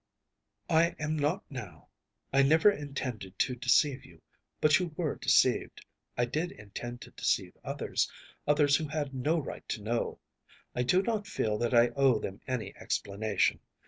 ‚ÄĚ “I am not now. I never intended to deceive you, but you were deceived. I did intend to deceive others, others who had no right to know. I do not feel that I owe them any explanation.